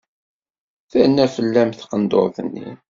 Terna fell-am taqendurt-nni.